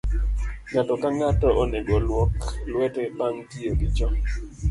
Ng'ato ka ng'ato onego olwok lwete bang' tiyo gi cho.